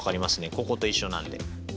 ここと一緒なので。